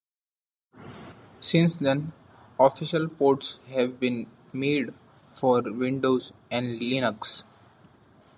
Since then, official ports have been made for Windows and Linux.